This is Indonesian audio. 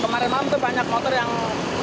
kemarin malam banyak motor yang jatuh